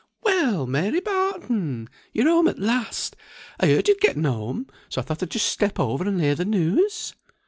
"Well, Mary Barton! You're home at last! I heard you'd getten home; so I thought I'd just step over and hear the news."